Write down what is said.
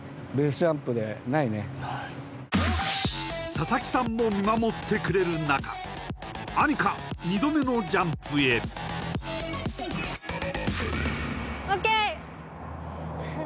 ササキさんも見守ってくれる中杏夏２度目のジャンプへＯＫ！